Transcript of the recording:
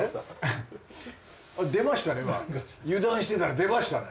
出ましたね